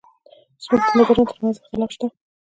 زموږ د نظرونو تر منځ اختلاف شته.